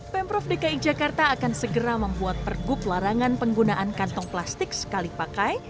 pemprov dki jakarta akan segera membuat pergub larangan penggunaan kantong plastik sekali pakai